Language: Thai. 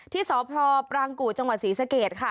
ที่สพปรางกู่จังหวัดศรีสะเกดค่ะ